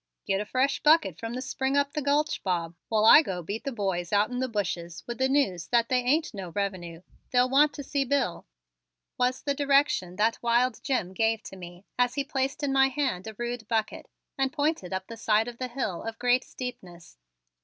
"Git a fresh bucket from the spring up the gulch, Bob, while I go beat the boys outen the bushes with the news that they ain't no revenue. They'll want to see Bill," was the direction that wild Jim gave to me as he placed in my hand a rude bucket and pointed up the side of the hill of great steepness.